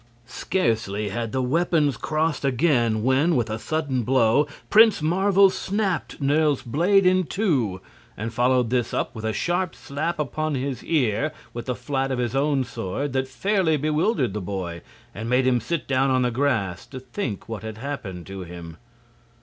Scarcely had the weapons crossed again when with a sudden blow Prince Marvel snapped Nerle's blade in two, and followed this up with a sharp slap upon his ear with the flat of his own sword that fairly bewildered the boy, and made him sit down on the grass to think what had happened to him.